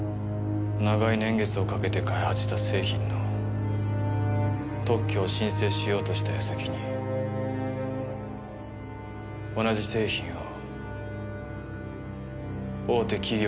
長い年月をかけて開発した製品の特許を申請しようとした矢先に同じ製品を大手企業が申請しました。